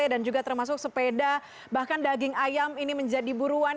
dan juga termasuk sepeda bahkan daging ayam ini menjadi buruan